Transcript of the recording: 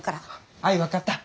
あい分かった。